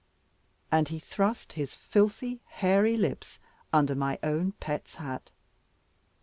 And he thrust his filthy, hairy lips under my own pet's hat.